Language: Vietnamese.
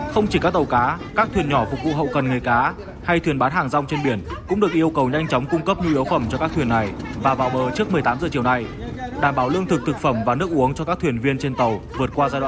không chỉ các tàu cá các thuyền nhỏ phục vụ hậu cần nghề cá hay thuyền bán hàng rong trên biển cũng được yêu cầu nhanh chóng cung cấp nhu yếu phẩm cho các thuyền này và vào bờ trước một mươi tám h chiều nay đảm bảo lương thực thực phẩm và nước uống cho các thuyền viên trên tàu vượt qua giai đoạn